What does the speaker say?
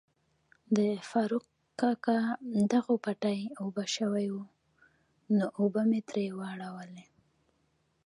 د فاروق کاکا دغو پټی اوبه شوای وو نو اوبه می تري واړولي.